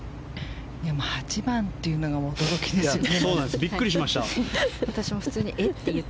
８番というのが驚きですよね。